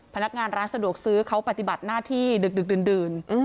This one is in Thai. พนักงานร้านสะดวกซื้อเขาปฏิบัติหน้าที่ดึกดื่น